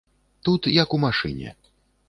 Тут, як у машыне.